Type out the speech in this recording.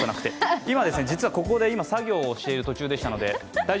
今、ここで作業をしている最中でしたので。